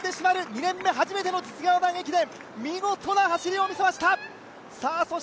２年目初めての実業団駅伝、見事な走りを見せました。